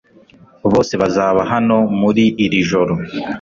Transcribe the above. bose bazaba hano muri iri joro